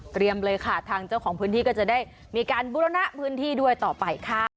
เลยค่ะทางเจ้าของพื้นที่ก็จะได้มีการบุรณะพื้นที่ด้วยต่อไปค่ะ